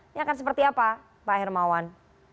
ini akan seperti apa pak hermawan